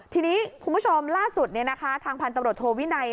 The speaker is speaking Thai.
ทีนี้คุณผู้ชมล่าสุดทางพันธุ์ตำรวจโทวินัย